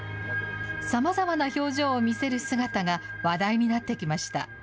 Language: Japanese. さまざまな表情を見せる姿が話題になってきました。